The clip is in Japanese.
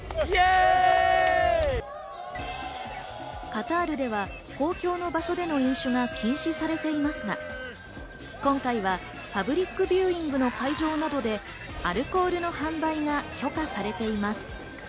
カタールでは公共の場所での飲酒が禁止されていますが、今回はパブリックビューイングの会場などでアルコールの販売が許可されています。